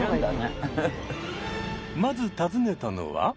まず訪ねたのは。